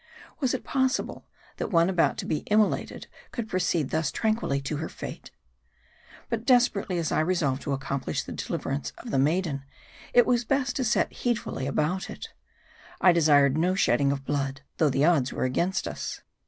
Was it possible, that one about to be immolated could proceed thus tranquilly to her fate ? But desperately as I resolved to accomplish the deliver ance of the maiden, it was best to set needfully about it. I desired no shedding of blood ; though the odds were against us.